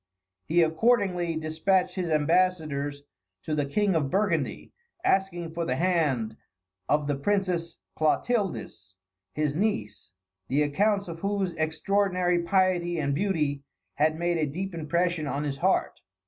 He accordingly despatched his ambassadors to the King of Burgundy, asking for the hand of the Princess Clotildis, his niece, the accounts of whose extraordinary piety and beauty had made a deep impression on his heart.